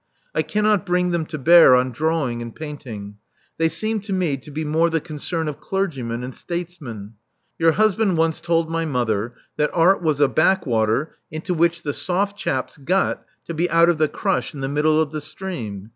I cannot bring them to bear on drawing and painting: they seem to me to be more the con cern of clergymen and statesmen. Your husband once told my mother that art was a backwater into which the soft chaps got to be out of the crush in the middle of the stream.